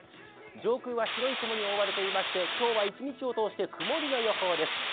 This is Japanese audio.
上空は白い雲に覆われていまして今日は１日を通して曇りの予報です。